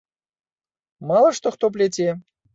Мала што хто пляце.